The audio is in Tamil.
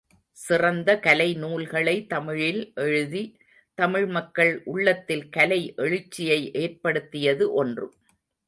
சிறந்த கலை நூல்களை தமிழில் எழுதி தமிழ் மக்கள் உள்ளத்தில் கலை எழுச்சியை ஏற்படுத்தியது ஒன்று.